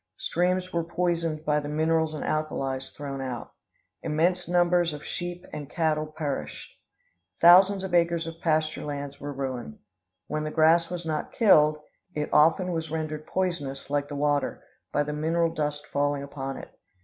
Streams were poisoned by the minerals and alkalies thrown out. Immense numbers of sheep and cattle perished. Thousands of acres of pasture lands were ruined. Where the grass was not killed, it often was rendered poisonous, like the water, by the mineral dust falling upon it.